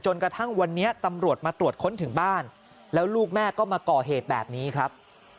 กระทั่งวันนี้ตำรวจมาตรวจค้นถึงบ้านแล้วลูกแม่ก็มาก่อเหตุแบบนี้ครับ